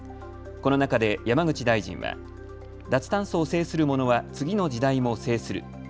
この中で山口大臣は脱炭素を制する者は次の時代も制する。